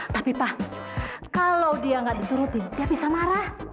tapi pa kalau dia gak dituruti dia bisa marah